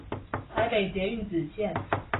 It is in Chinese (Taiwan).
臺北捷運紫線